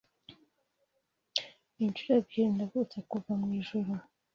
Inshuro ebyiri navutse kuva mu ijuru